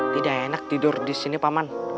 tidak enak tidur disini paman